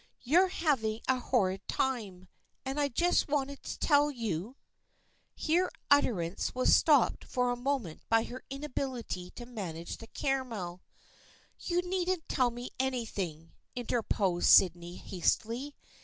You're having a horrid time, and I just want to tell you " here utterance was stopped for a moment by her inability to manage the caramel. " You needn't tell me anything," interposed Sydney hastily.